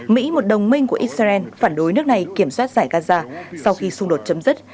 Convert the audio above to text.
mỹ một đồng minh của israel phản đối nước này kiểm soát giải gaza sau khi xung đột chấm dứt